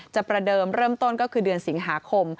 ประเดิมเริ่มต้นก็คือเดือนสิงหาคม